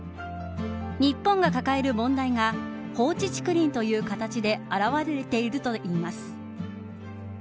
日本が抱える問題が放置竹林という形で現れているといいます。